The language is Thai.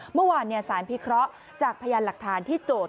เมื่อวานสารพิเคราะห์จากพยานหลักฐานที่โจทย